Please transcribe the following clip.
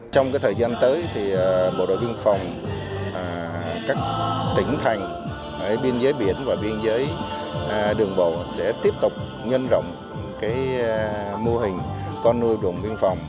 trong thời gian tới thì bộ đội biên phòng các tỉnh thành biên giới biển và biên giới đường bộ sẽ tiếp tục nhân rộng mô hình con nuôi đồn biên phòng